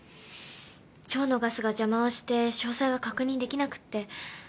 腸のガスが邪魔をして詳細は確認できなくって。